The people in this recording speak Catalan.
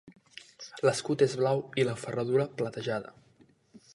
L'escut és blau i la ferradura platejada.